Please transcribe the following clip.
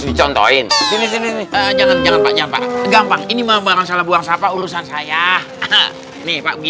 dicontohin sini sini jangan jangan banyak gampang ini mau barang salah buang sapa urusan saya nih